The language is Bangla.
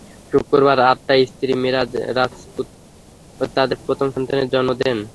শুক্রবার রাত আটটায় স্ত্রী মিরা রাজপুত তাঁদের প্রথম সন্তানের জন্ম দেন।